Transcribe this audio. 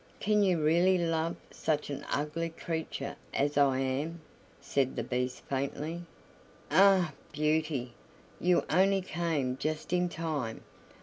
"Can you really love such an ugly creature as I am?" said the Beast faintly. "Ah! Beauty, you only came just in time.